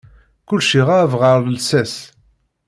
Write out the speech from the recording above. Kullec irab ɣar lsas.